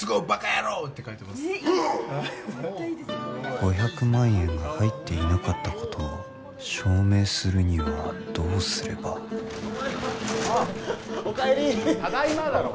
５００万円が入ってなかったことを証明するにはどうすればお帰りただいまだろう